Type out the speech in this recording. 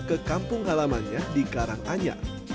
ke kampung halamannya di karanganyar